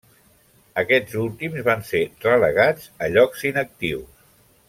Aquests últims van ser relegats a llocs inactius.